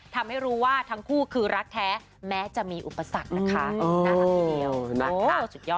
ทำให้รู้ว่าทั้งคู่คือรักแท้แม้จะมีอุปสรรคนะคะ